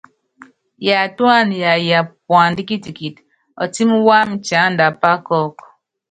Yatúana yayapa puandá kitikiti, ɔtímí wámɛ tiánda apá kɔ́kɔ.